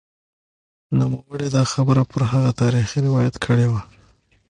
نوموړي دا خبره پر هغه تاریخي روایت کړې وه